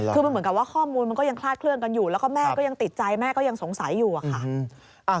คือมันเหมือนกับว่าข้อมูลมันก็ยังคลาดเคลื่อนกันอยู่แล้วก็แม่ก็ยังติดใจแม่ก็ยังสงสัยอยู่อะค่ะ